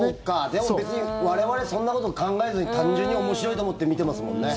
でも、我々そんなこと考えずに単純に面白いと思って見てますもんね。